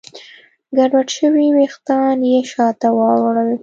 ګډوډ شوي وېښتان يې شاته واړول.